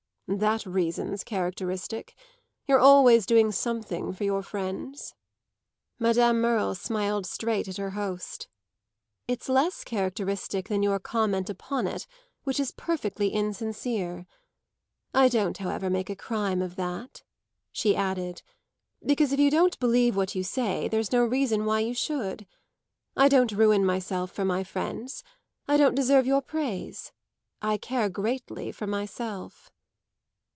"That reason's characteristic. You're always doing something for your friends." Madame Merle smiled straight at her host. "It's less characteristic than your comment upon it which is perfectly insincere. I don't, however, make a crime of that," she added, "because if you don't believe what you say there's no reason why you should. I don't ruin myself for my friends; I don't deserve your praise. I care greatly for myself."